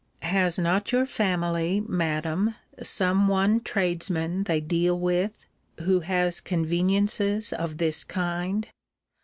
Has not your family, Madam, some one tradesman they deal with, who has conveniences of this kind?